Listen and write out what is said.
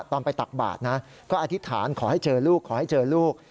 ตอนไปตักบาทนะก็อธิษฐานขอให้เจอลูกขอให้เจอลูก